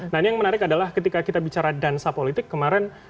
nah ini yang menarik adalah ketika kita bicara dansa politik kemarin